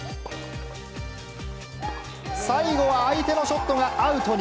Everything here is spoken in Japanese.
最後は相手のショットがアウトに。